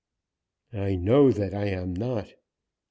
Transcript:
"I know that I am not.